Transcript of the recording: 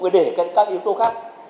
để các yêu cầu